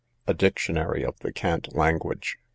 A DICTIONARY OF THE CANT LANGUAGE.